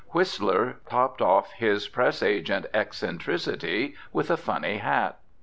Whistler topped off his press agent eccentricity with a funny hat.